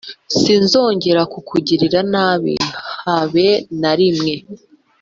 sinzongera kukugirira nabi habe narimwe